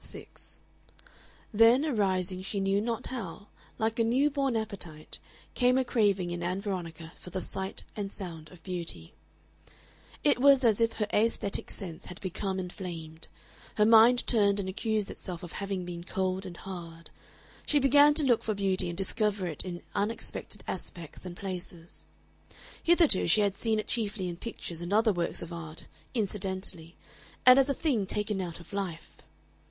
Part 6 Then, arising she knew not how, like a new born appetite, came a craving in Ann Veronica for the sight and sound of beauty. It was as if her aesthetic sense had become inflamed. Her mind turned and accused itself of having been cold and hard. She began to look for beauty and discover it in unexpected aspects and places. Hitherto she had seen it chiefly in pictures and other works of art, incidentally, and as a thing taken out of life.